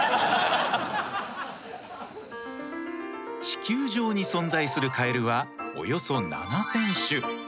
地球上に存在するカエルはおよそ７，０００種。